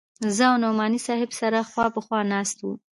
زه او نعماني صاحب سره خوا په خوا ناست وو.